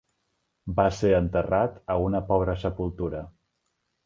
Va ser enterrat a una pobra sepultura.